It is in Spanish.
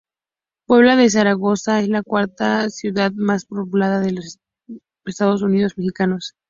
Puebla de Zaragoza es la cuarta ciudad más poblada de los Estados Unidos Mexicanos.